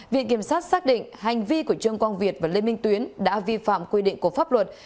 viện kiểm sát xác định hành vi của trương quang việt và lê minh tuyến đã vi phạm quy định của pháp luật